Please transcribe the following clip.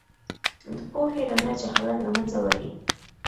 د پوهې رڼا جهالت له منځه وړي.